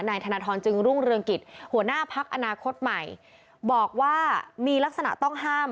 ธนทรจึงรุ่งเรืองกิจหัวหน้าพักอนาคตใหม่บอกว่ามีลักษณะต้องห้าม